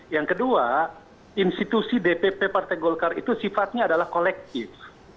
yang kedua institusi dpp partai golkar itu sifatnya adalah kolektif